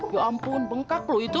ya ampun bengkak loh itu